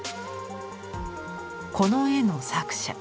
この絵の作者。